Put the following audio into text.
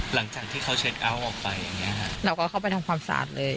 หลังจากที่เขาเช็คเอาท์ออกไปอย่างเงี้ยค่ะเราก็เข้าไปทำความสะอาดเลย